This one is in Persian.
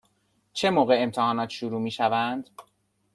چه موقع امتحانات شروع می شوند؟